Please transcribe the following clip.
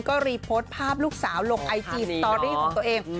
ก็รีโพสต์ภาพลูกสาวลงไอจีสตอรี่ของตัวเอง